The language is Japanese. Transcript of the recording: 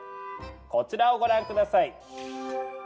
こちらをご覧ください！